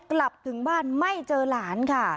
กลับถึงบ้านไม่เจอหลานค่ะ